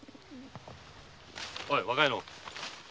おい若いの！